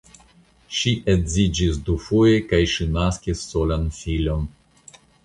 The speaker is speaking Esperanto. Ŝi edziĝis dufoje kaj ŝi naskis solan filon.